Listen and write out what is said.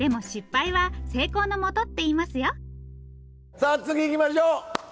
さあ次いきましょう！